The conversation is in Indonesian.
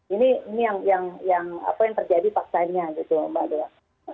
ini yang terjadi paksanya mbak daya